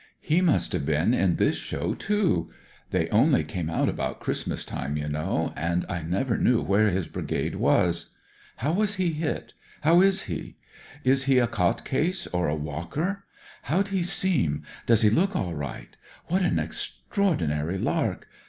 He must have been in this show, too. They only came out about Christmas time, you know, and I never knew ■. re his brigade was. How was he hit ? How is he ? Is he a cot case or a walker? How'd he seem ? Does he look all right ? What an extraordinary lark